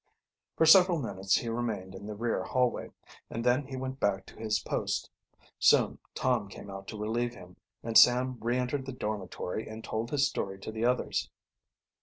For several minutes he remained in the rear hallway, and then he went back to his post. Soon Tom came out to relieve him, and Sam re entered the dormitory and told his story to the others.